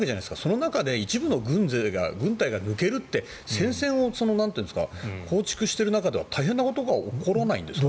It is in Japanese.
その中で一部の軍勢が抜けるって戦線を構築している中では大変なことが起こらないんですか？